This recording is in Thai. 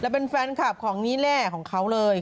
เป็นแฟนคลับของนี่แหละของเขาเลย